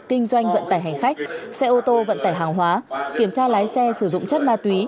kinh doanh vận tải hành khách xe ô tô vận tải hàng hóa kiểm tra lái xe sử dụng chất ma túy